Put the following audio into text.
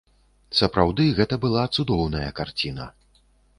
Сапраўды, гэта была цудоўная карціна.